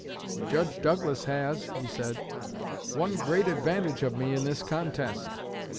'Judge Douglas has,' he said, 'one great advantage of me in this contest.